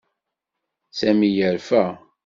Sami yerfa.